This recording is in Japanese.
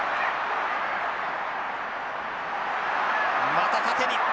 また縦に。